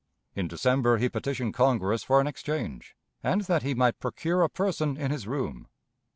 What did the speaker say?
In December he petitioned Congress for an exchange, and that he might procure a person in his room.